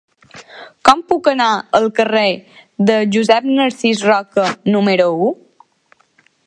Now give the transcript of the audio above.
Com puc anar al carrer de Josep Narcís Roca número u?